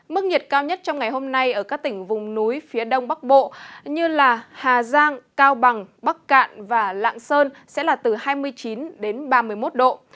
mức nhiệt cao nhất trong ngày hôm nay ở các tỉnh vùng núi phía đông bắc bộ như hà giang cao bằng bắc cạn và lạng sơn sẽ là từ hai mươi chín đến ba mươi một độ